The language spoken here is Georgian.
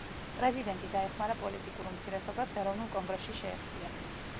პრეზიდენტი დაეხმარა პოლიტიკურ უმცირესობებს ეროვნულ კონგრესში შეეღწიათ.